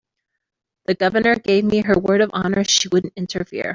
The Governor gave me her word of honor she wouldn't interfere.